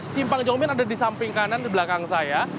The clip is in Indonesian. simpang jomin ada di samping kanan di belakang saya